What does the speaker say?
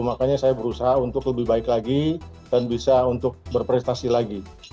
makanya saya berusaha untuk lebih baik lagi dan bisa untuk berprestasi lagi